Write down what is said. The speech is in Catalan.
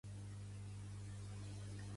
Seguirà posada en política, però?